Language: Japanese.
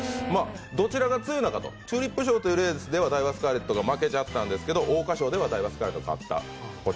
どちらが強いのかチューリップ賞というレースではダイワスカーレットが負けちゃったんですけど桜花賞がダイワスカーレットが勝った。